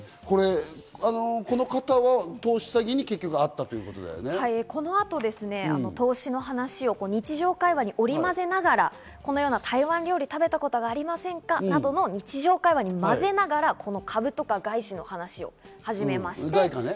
この方は投資詐欺に結局あっこの後、投資の話を日常会話に織り交ぜながらこのような台湾料理を食べたことありませんか？などの日常会話に混ぜながら、株とか外資の話を始めます。